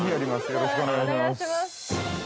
よろしくお願いします。